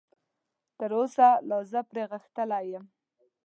تراوسه لا زه پرې غښتلی یم.